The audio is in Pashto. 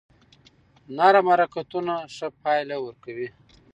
نرم حرکتونه ښه پایله ورکوي.